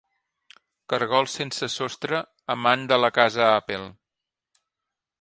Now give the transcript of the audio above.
Cargol sense sostre amant de la casa Apple.